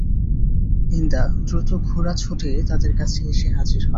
হিন্দা দ্রুত ঘোড়া ছুটিয়ে তাদের কাছে এসে হাজির হয়।